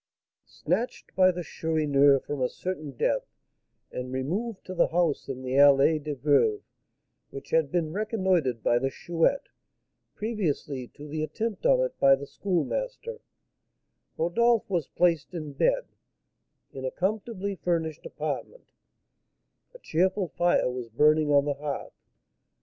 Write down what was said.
Snatched by the Chourineur from a certain death, and removed to the house in the Allée des Veuves which had been reconnoitred by the Chouette, previously to the attempt on it by the Schoolmaster, Rodolph was placed in bed, in a comfortably furnished apartment; a cheerful fire was burning on the hearth.